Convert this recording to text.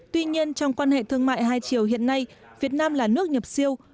tuy nhiên trong quan hệ thương mại hai chiều hiện nay việt nam là nước nhập siêu